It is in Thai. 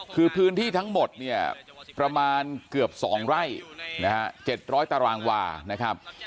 คือพื้นที่ทั้งหมดเนี่ยประมาณเกือบ๒ไร่นะฮะ๗๐๐ตารางวานะครับ